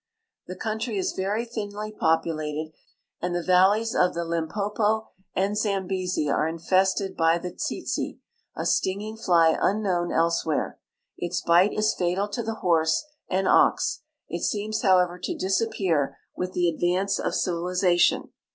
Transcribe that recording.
The country is very thinly populated, and the valleys of the LimjDopo and Zambesi are infested by the tsetse, a stinging ily unknown elsewhere ; its bite is fatal to the horse and ox ; it seems, however, to disappear with the advance of civilization.